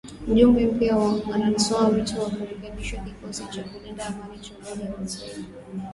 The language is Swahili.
Mjumbe mpya wa anatoa wito wa kurekebishwa kikosi cha kulinda amani cha Umoja wa mataifa.